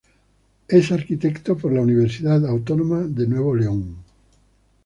Es arquitecto por la Universidad Autónoma de Nuevo León.